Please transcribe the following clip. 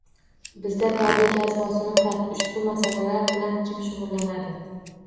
Bizda tabiiy gaz bosimi past, ushbu masalar bilan kim shug‘ullanadi?